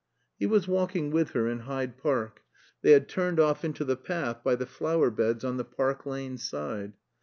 He was walking with her in Hyde Park; they had turned off into the path by the flower beds on the Park Lane side.